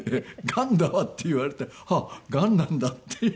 「がんだわ」って言われてあっがんなんだって。